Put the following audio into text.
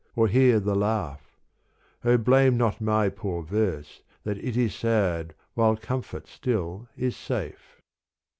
Or hear the laugh — O blame not my poor verse That it is sad while comfort still is safe.